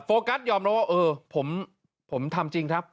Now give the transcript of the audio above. กัสยอมรับว่าเออผมทำจริงครับ